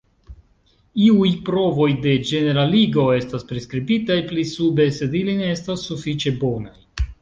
Iuj provoj de ĝeneraligo estas priskribitaj pli sube, sed ili ne estas sufiĉe bonaj.